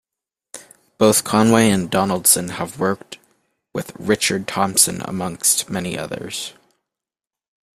Both Conway and Donaldson have worked with Richard Thompson, amongst many others.